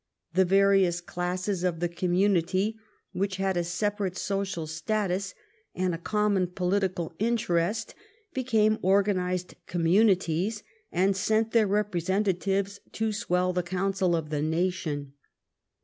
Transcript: The various classes of the community, which had a separate social status and a common political interest, became organised communities, and sent their representatives to swell the council of the nation.